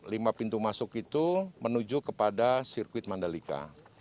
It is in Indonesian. lima pintu masuk itu menuju kepada sirkuit mandalika